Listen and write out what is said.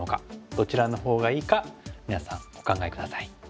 どちらのほうがいいか皆さんお考え下さい。